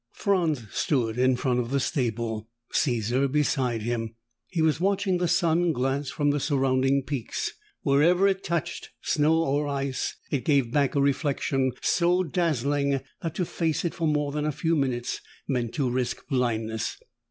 Franz stood in front of the stable, Caesar beside him. He was watching the sun glance from the surrounding peaks. Wherever it touched snow or ice, it gave back a reflection so dazzling that to face it for more than a few minutes meant to risk blindness.